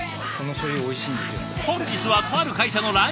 本日はとある会社のランチタイムから。